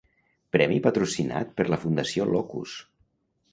Premi patrocinat per la Fundació Locus.